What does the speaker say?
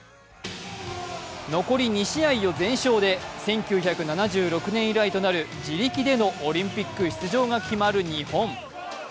残り２試合を全勝で１９６７年以来となる自力でのオリンピック出場が決まる日本。